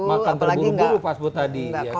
makan terburu buru pas buh tadi